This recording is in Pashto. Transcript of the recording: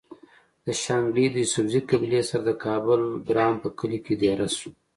د شانګلې د يوسفزۍقبيلې سره د کابل ګرام پۀ کلي کې ديره شو